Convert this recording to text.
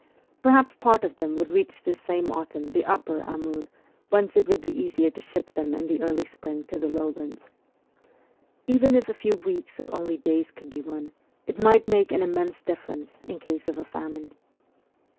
Perhaps part of them would reach this same autumn the upper Amur, whence it would be easier to ship them in the early spring to the lowlands. Even if a few weeks or only days could be won, it might make an immense difference in case of a famine.